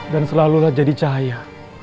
dan selalulah jadi cahaya